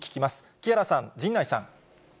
木原さん、陣内さん。